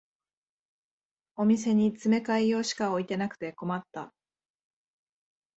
お店に詰め替え用しか置いてなくて困った